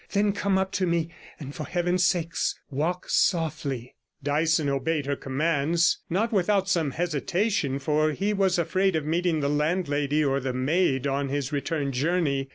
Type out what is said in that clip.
Then come up to me; and for Heaven's sake, walk softly.' Dyson obeyed her commands, not without some hesitation, for he was afraid of meeting the landlady or the maid on his return journey.